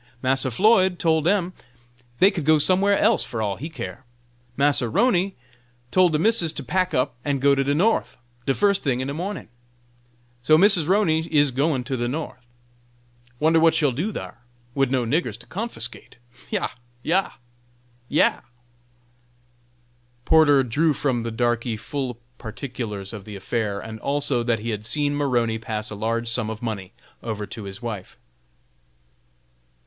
Massa Floyd tole dem dey could go somewhere else fur all he care. Massa 'Roney tole de missus to pack up and go to de North, de fust ting in de morning. So Missus 'Roney is gwine to go North. Wonder what she'll do thar, wid no niggers to confusticate? Yah! yah! yah!" Porter drew from the darkey full particulars of the affair, and also that he had seen Maroney pass a large sum of money over to his wife.